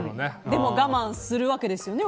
でも我慢するわけですよね。